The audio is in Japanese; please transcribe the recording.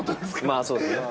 まあそうですね。